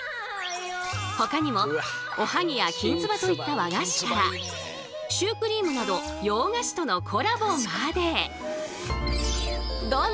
ほかにもおはぎやきんつばといった和菓子からシュークリームなど洋菓子とのコラボまで。